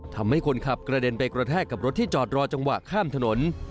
ทำให้คนขับกระเด็นไปกระแทกกับรถที่จอดรอจังหวะข้ามถนน